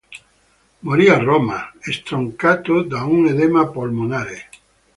Morì a Roma, stroncato da un edema polmonare.